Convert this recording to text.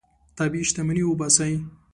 طبیعي شتمني وباسئ.